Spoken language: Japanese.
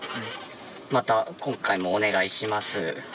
また今回もお願いします。